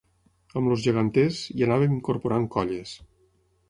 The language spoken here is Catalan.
Amb els geganters, hi anàvem incorporant colles.